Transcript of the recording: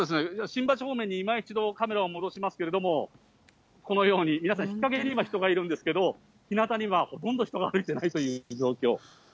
新橋方面に今一度、カメラを戻しますけど、このように、皆さん、日陰には人がいるんですけれども、日向にはほとんど人が歩いてないという状況。